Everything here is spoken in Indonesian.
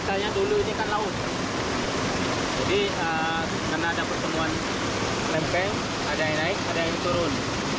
ada pertemuan lempeng ada yang naik ada yang turun